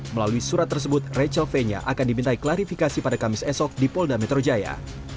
melalui surat tersebut rachel fenya akan dimintai klarifikasi pada kamis esok di polda metro jaya